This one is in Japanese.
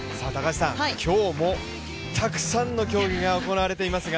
今日もたくさんの競技が行われていますが。